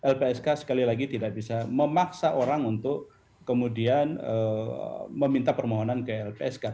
lpsk sekali lagi tidak bisa memaksa orang untuk kemudian meminta permohonan ke lpsk